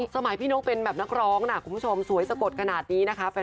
สมัยพี่นกเป็นแบบนักร้องนะคุณผู้ชมสวยสะกดขนาดนี้นะคะ